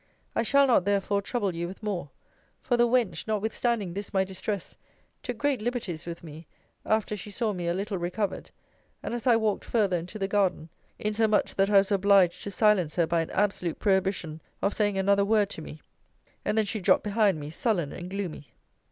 I shall not, therefore, trouble you with more: for the wench, notwithstanding this my distress, took great liberties with me, after she saw me a little recovered, and as I walked farther into the garden; insomuch that I was obliged to silence her by an absolute prohibition of saying another word to me; and then she dropped behind me sullen and gloomy.